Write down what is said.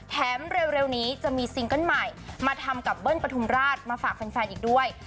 เร็วนี้จะมีซิงเกิ้ลใหม่มาทำกับเบิ้ลปฐุมราชมาฝากแฟนอีกด้วย